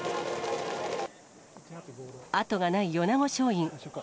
後がない米子松蔭。